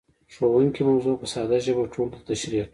ښوونکی موضوع په ساده ژبه ټولو ته تشريح کړه.